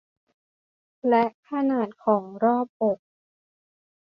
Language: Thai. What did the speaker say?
และขนาดของรอบอก